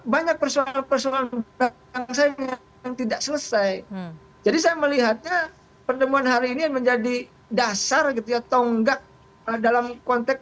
bye jadi saya meliharnya pertemuan hari ini menjadi dasar gitu ya tonggak ke dalam konteks